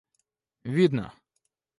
видно